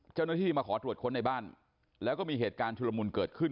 เจ้าหน้าที่มาขอตรวจค้นในบ้านแล้วก็มีเหตุการณ์ชุลมุนเกิดขึ้น